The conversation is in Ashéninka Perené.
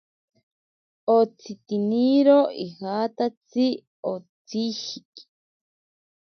Otsitiniro ijatatsi otsishiki.